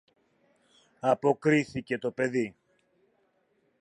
αποκρίθηκε το παιδί.